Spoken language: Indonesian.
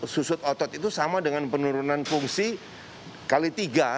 dua puluh tujuh susut otot itu sama dengan penurunan fungsi kali tiga